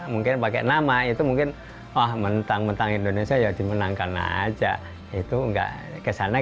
mungkin pakai nama itu mungkin oh mentang mentang indonesia ya dimenangkan aja itu enggak kesana